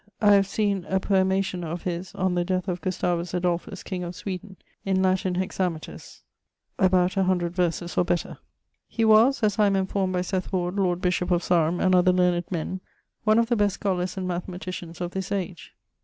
I have seen a poemation of his on the death of Gustavus Adolphus, king of Sweden, in Latin hexameters, about 100 verses or better. He was (as I am enformed by Seth Ward, Lord Bishop of Sarum, and other learned men) one of the best scholars and mathematicians of this age.